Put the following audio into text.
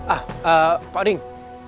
ah pak oding